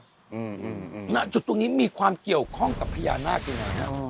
อืมณจุดตรงนี้มีความเกี่ยวข้องกับพญานาคต์อย่างไรครับ